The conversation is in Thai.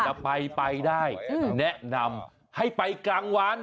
จะไปไปได้แนะนำให้ไปกลางวัน